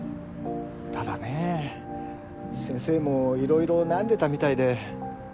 ただね先生もいろいろ悩んでたみたいで。